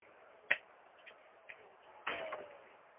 是现存北美的最大的蛙之一。